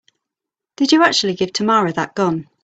Did you actually give Tamara that gun?